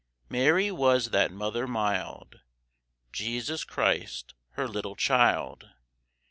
Mary was that mother mild, Jesus Christ her little Child.